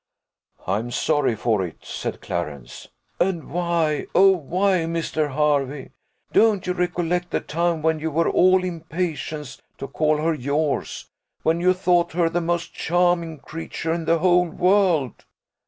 "I am sorry for it," said Clarence. "And why oh, why, Mr. Hervey? Don't you recollect the time when you were all impatience to call her yours, when you thought her the most charming creature in the whole world?"